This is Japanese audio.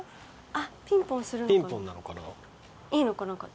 あっピンポンするのかな？